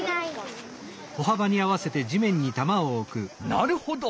なるほど！